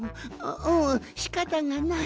んしかたがない。